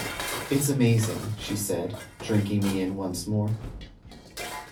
'It's amazing' she said, drinking me in once more.